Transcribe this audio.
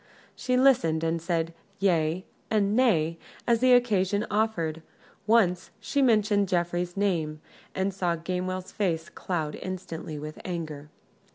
She listened and said "yea" and "nay" as the occasion offered: once she mentioned Geoffrey's name, and saw Gamewell's face cloud instantly with anger.